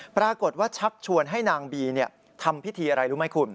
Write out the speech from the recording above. ปรากฏว่าชักชวนให้นางบีทำพิธีอะไรรู้ไหมคุณ